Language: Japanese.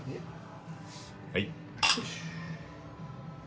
はい。